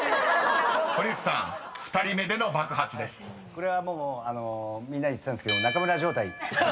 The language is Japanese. これはもうみんなで言ってたんですけど。